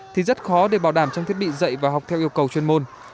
thì rất khó để bảo đảm trong thiết bị dạy và học theo yêu cầu chuyên môn